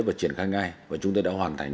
và triển khai ngay và chúng tôi đã hoàn thành